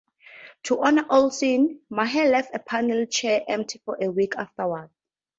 To honor Olson, Maher left a panel chair empty for a week afterwards.